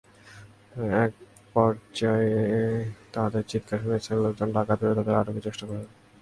একপর্যায়ে তাঁদের চিৎকার শুনে স্থানীয় লোকজন ডাকাত ভেবে তাঁদের আটকের চেষ্টা চালান।